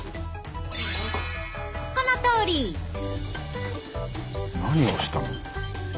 このとおり！何をしたの？